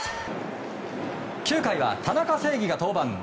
９回は田中正義が登板。